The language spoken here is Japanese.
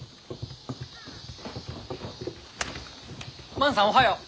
万さんおはよう。